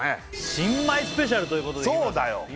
新米スペシャルということでそうだよ